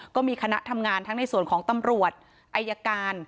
ก็มีคณะทำงานทั้งในส่วนของตำรวจอายการ